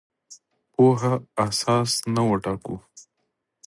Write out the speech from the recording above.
پوهه اساس نه وټاکو.